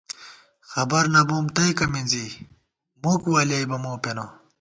خبر نہ بوم تئیکہ مِنزی، مُک ولیَئیبہ مو پېنہ